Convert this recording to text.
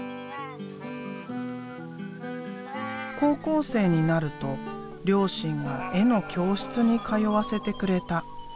高校生になると両親が絵の教室に通わせてくれた。